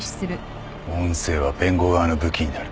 音声は弁護側の武器になる。